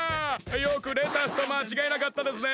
よくレタスとまちがえなかったですね！